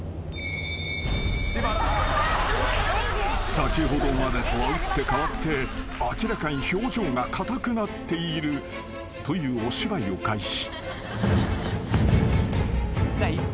［先ほどまでとは打って変わって明らかに表情が硬くなっているというお芝居を開始］